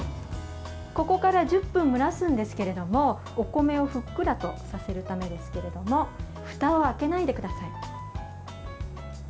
ここから１０分蒸らすんですけれどもお米をふっくらとさせるためですけれどもふたを開けないでください。